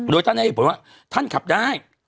โดยฉะนั้นเขาบอกว่าท่านขับได้